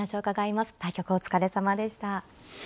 対局お疲れさまでした。